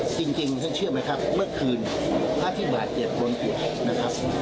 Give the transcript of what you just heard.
จริงฉันเชื่อไหมครับเมื่อคืนพระอธิบายเกียรติบลงอุ่นนะครับ